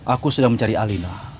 aku sedang mencari alina